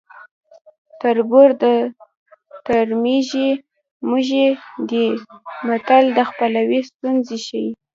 تربور د ترږمې موږی دی متل د خپلوۍ ستونزې ښيي